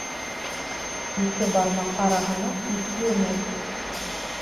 Ике бармаҡ араһына ит үрмәй